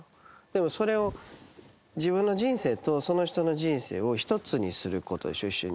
でもそれを自分の人生とその人の人生を一つにする事でしょ？